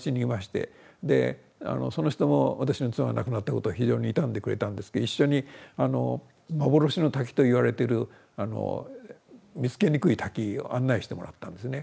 でその人も私の妻が亡くなったことを非常に悼んでくれたんですけど一緒に幻の滝といわれてる見つけにくい滝を案内してもらったんですね。